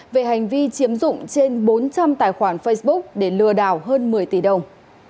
về hành vi chiếm dụng trên bốn trăm linh tài khoản facebook để lừa đảo hơn một mươi tỷ đồng